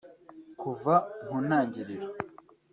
Kuva mu ntangiriro